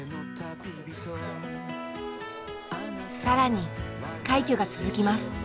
更に快挙が続きます。